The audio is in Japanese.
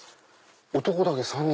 男だけ３人。